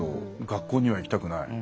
学校には行きたくない。